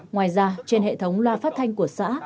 ngoài ra trên hệ thống loa phát thanh của xã